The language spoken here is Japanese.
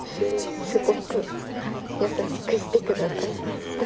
すごく優しくしてくださいました。